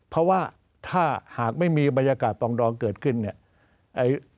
เพราะว่าถ้าหากไม่มีบรรยากาศปลองดองเกิดขึ้นเนี่ย